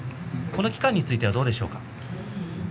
この期間についてはどうでしょう。